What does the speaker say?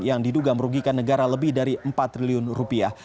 yang diduga merugikan negara lebih dari empat triliun rupiah